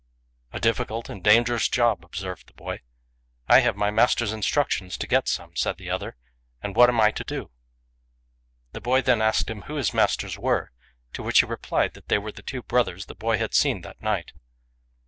"A difficult and dangerous job," observed the boy. " I have my master's instructions to get some," said the other, " and what am I to do ?" The boy then asked him who his masters were, to which he replied that they were the two brothers the boy had seen that night.